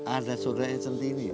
ada suratnya centini